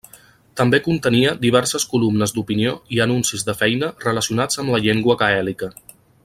També contenia diverses columnes d'opinió i anuncis de feina relacionats amb la llengua gaèlica.